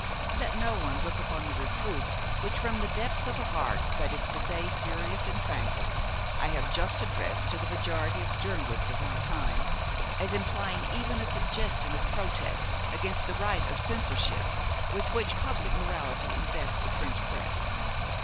Let no one look upon the reproof which, from the depths of a heart that is to day serious and tranquil, I have just addressed to the majority of journalists of my time, as implying even a suggestion of protest against the right of censorship with which public morality invests the French press.